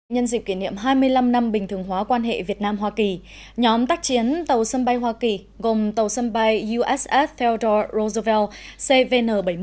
nhân dịp kỷ niệm hai mươi năm năm bình thường hóa quan hệ việt nam hoa kỳ nhóm tác chiến tàu sân bay hoa kỳ gồm tàu sân bay uss felder rosevel cvn bảy mươi một